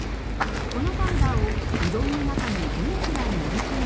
このパウダーをうどんの中にどのくらい練り込むのか